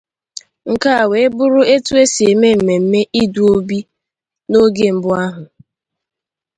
Nke a wee bụrụ etu e si eme mmemme idu obi n'oge mbụ ahụ